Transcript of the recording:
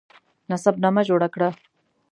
نسب نامه جوړه کړه.